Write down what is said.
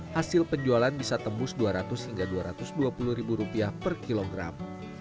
hasil penjualan bisa tembus rp dua ratus hingga rp dua ratus dua puluh per kilogram